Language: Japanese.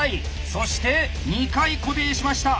そして２回固定しました。